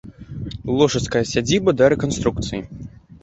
Лошыцкая сядзіба да рэканструкцыі.